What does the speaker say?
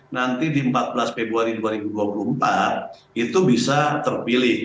nanti di empat belas februari dua ribu dua puluh empat itu bisa terpilih